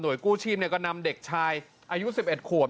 กู้ชีพก็นำเด็กชายอายุ๑๑ขวบ